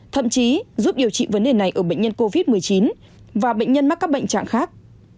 thậm chí giúp điều trị vấn đề này ở bệnh nhân covid một mươi chín và bệnh nhân mắc các bệnh trạng khác